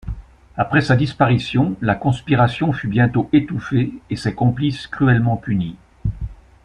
Après sa disparition, la conspiration fut bientôt étouffée et ses complices cruellement punis.